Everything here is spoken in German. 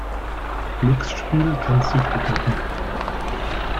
Glücksspiel kann süchtig machen.